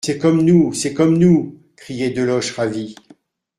C'est comme nous ! c'est comme nous ! criait Deloche ravi.